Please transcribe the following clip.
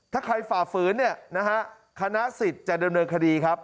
ถ้าใครฝ่าฝืนเนี่ยนะฮะคณะสิทธิ์จะดำเนินคดีครับ